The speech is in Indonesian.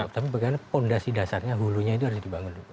tapi bagaimana fondasi dasarnya hulunya itu harus dibangun dulu